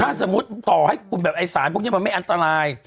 ถ้าสมมุติต่อให้คุณแบบไอ้สารพวกนี้มันไม่อันตราย